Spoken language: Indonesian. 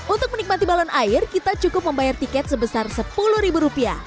untuk menikmati balon air kita cukup membayar tiket sebesar rp sepuluh